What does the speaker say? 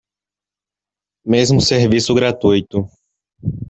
Mesmo serviço gratuito